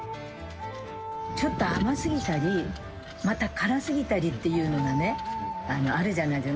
ちょっと甘すぎたり、また辛すぎたりっていうのがね、あるじゃないですか。